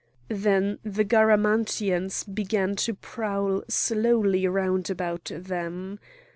Then the Garamantians began to prowl slowly round about them.